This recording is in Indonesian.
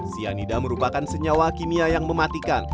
cyanida merupakan senyawa kimia yang mematikan